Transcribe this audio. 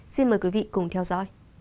xin mời quý vị cùng theo dõi